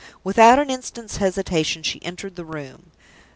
Without an instant's hesitation she entered the room.